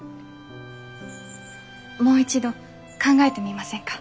もう一度考えてみませんか？